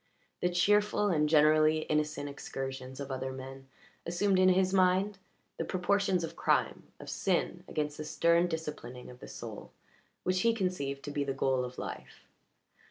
The cheerful and generally innocent excursions of other men assumed in his mind the proportions of crime, of sin against the stern disciplining of the soul which he conceived to be the goal of life.